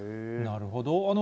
なるほど。